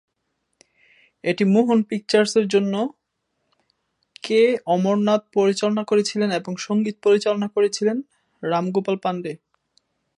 এটি মোহন পিকচার্সের জন্য কে অমরনাথ পরিচালনা করেছিলেন এবং সংগীত পরিচালনা করেছিলেন রাম গোপাল পান্ডে।